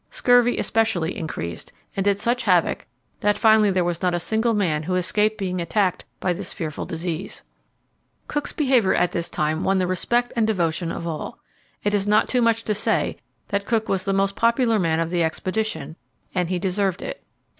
Scurvy especially increased, and did such havoc that finally there was not a single man who escaped being attacked by this fearful disease. Cook's behaviour at this time won the respect and devotion of all. It is not too much to say that Cook was the most popular man of the expedition, and he deserved it.